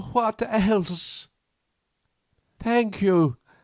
"What else?" "Thank you.